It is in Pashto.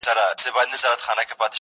خپروي زړې تيارې پر ځوانو زړونو-